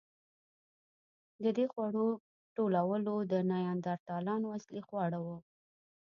د دې خوړو ټولول د نیاندرتالانو اصلي خواړه وو.